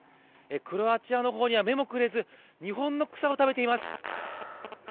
クロアチアのほうには目もくれず、日本の草を食べています。